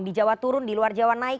di jawa turun di luar jawa naik